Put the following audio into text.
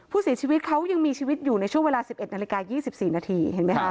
ผู้เสียชีวิตเขายังมีชีวิตอยู่ในช่วงเวลา๑๑นาฬิกา๒๔นาทีเห็นไหมคะ